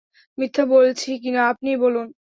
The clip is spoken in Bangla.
মিথ্যা বলছি কিনা আপনিই বলুন।